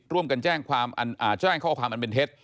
ร่วมกันแจ้งข้อความอันเป็นเท็จ